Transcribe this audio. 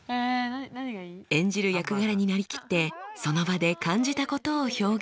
演じる役柄になりきってその場で感じたことを表現します。